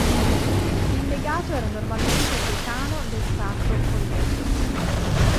Il legato era normalmente il Decano del Sacro Collegio.